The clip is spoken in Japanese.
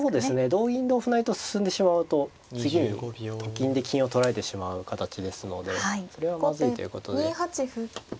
同銀同歩成と進んでしまうと次にと金で金を取られてしまう形ですのでそれはまずいということで。